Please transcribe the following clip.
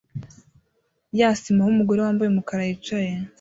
ya sima aho umugore wambaye umukara yicaye